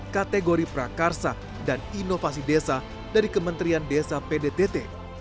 kategori prakarsa dan inovasi desa dari kementerian desa pdtt